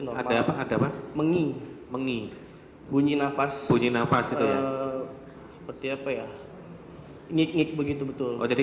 yang ada apa apa menging mengi bunyi nafas bunyi nafas itu seperti apa ya nik nik begitu betul jadi